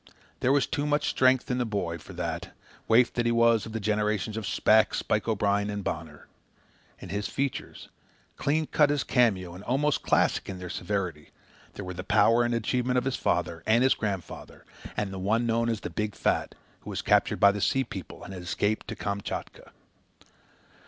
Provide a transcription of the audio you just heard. There was too much strength in the boy for that, waif that he was of the generations of Shpack, Spike O'Brien, and Bonner. In his features, clean cut as a cameo and almost classic in their severity, there were the power and achievement of his father, and his grandfather, and the one known as the Big Fat, who was captured by the Sea people and escaped to Kamchatka.